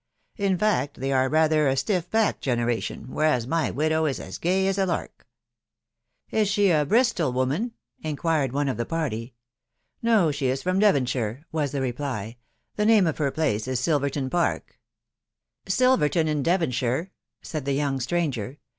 ... In fact, they are rather a stiff backed generation, whereas my widow is aa gay as a ImtL* THE WIDOW BARNABY. 257 " Is she a Bristol woman ?" inquired one of the party. te No, she is from Devonshire," was the reply. " The nam* of her place is * Silverton Park' "" Silverton in Devonshire," said the young stranger.